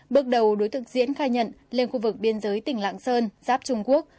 bước đầu đối tượng diễn khai nhận lên khu vực biên giới tỉnh lạng sơn giáp trung quốc